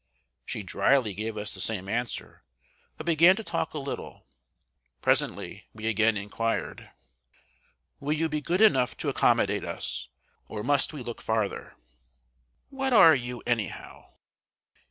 She dryly gave us the same answer, but began to talk a little. Presently we again inquired: "Will you be good enough to accommodate us, or must we look farther?" "What are you, anyhow?"